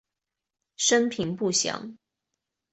生平不详。